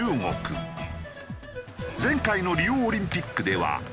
前回のリオオリンピックでは。